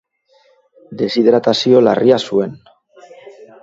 Deshidratazio larria zuen.